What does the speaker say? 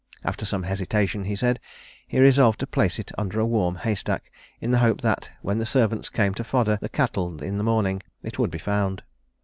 After some hesitation, he said, he resolved to place it under a warm hay stack, in the hope that, when the servants came to fodder the cattle in the morning, it would be found.